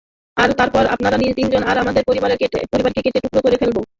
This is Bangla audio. আর তারপর, আপনারা তিনজন আর আপনাদের পরিবারকে কেটে টুকরো করে ফেলব।